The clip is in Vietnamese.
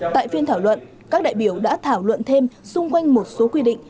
tại phiên thảo luận các đại biểu đã thảo luận thêm xung quanh một số quy định